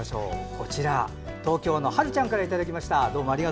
こちら、東京・府中市のはるちゃんからいただきました。